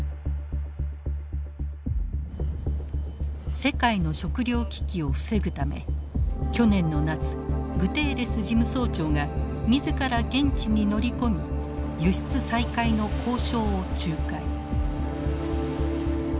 世界の食糧危機を防ぐため去年の夏グテーレス事務総長が自ら現地に乗り込み輸出再開の交渉を仲介。